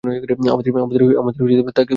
আমাদের তাকে কোন প্রয়োজন নেই।